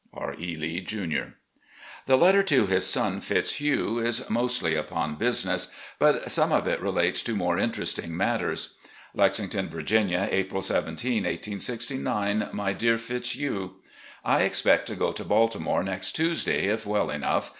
"R. E. Lee, Jr." The letter to his son Fitzhugh is mostly upon business, but some of it relates to more interesting matters : "Lexington, Virginia, April 17, 1869. " My Dear Fitzhugh: I expect to go to Baltimore next Tuesday, if well enough.